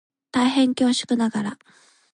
大変恐縮ながら